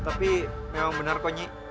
tapi memang benar konyi